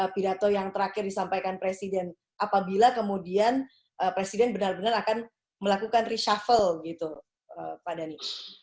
pidato yang terakhir disampaikan presiden apabila kemudian presiden benar benar akan melakukan reshuffle gitu pak dhani